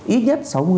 ít nhất sáu mươi